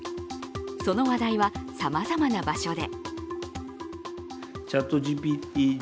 その話題はさまざまな場所で。